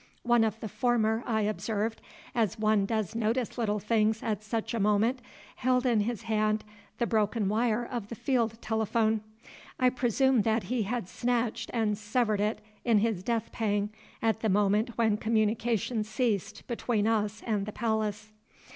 One of the former I observed, as one does notice little things at such a moment, held in his hand the broken wire of the field telephone. I presume that he had snatched and severed it in his death pang at the moment when communication ceased between us and the palace.